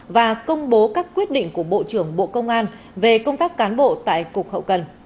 và công bố các quyết định của bộ trưởng bộ công an về công tác cán bộ tại cục hậu cần